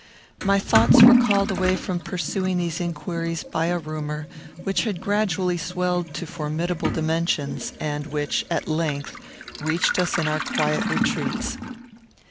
My thoughts were called away from pursuing these inquiries by a rumour, which had gradually swelled to formidable dimensions; and which, at length, reached us in our quiet retreats.